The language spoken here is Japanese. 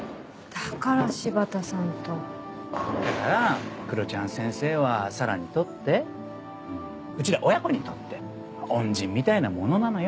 だから黒ちゃん先生は紗良にとってうちら親子にとって恩人みたいなものなのよ。